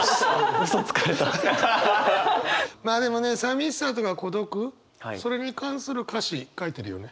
まあでもね寂しさとか孤独それに関する歌詞書いてるよね？